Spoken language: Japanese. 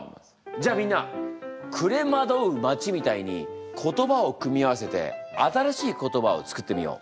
じゃあみんな「暮れ惑う街」みたいに言葉を組み合わせて新しい言葉をつくってみよう。